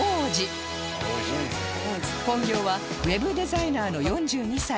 本業は ＷＥＢ デザイナーの４２歳